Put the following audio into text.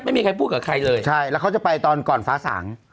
ไม่มีใครพูดกับใครเลยใช่แล้วเขาจะไปตอนก่อนฟ้าสาง